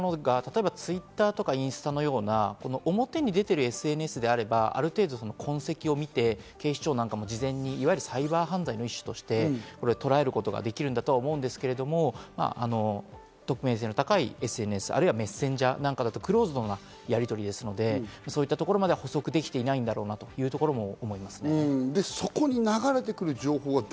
そういったものがＴｗｉｔｔｅｒとかインスタのような、表に出ているＳＮＳであれば、ある程度、痕跡を見て、警視庁なんかも事前にサイバー犯罪の一種として、とらえることができるんだと思うんですけれど、匿名性の高いＳＮＳ、あるいはメッセンジャーだとクローズドなやりとりですので、こうしたところまで捕捉できていないんだろうなってところも思います。